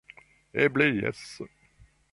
Eble jes.